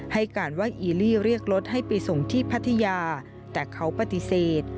ให้การว่าอีลี่เรียกรถให้ไปส่งที่พัทยาแต่เขาปฏิเสธ